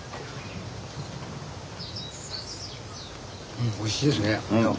うんおいしいですね。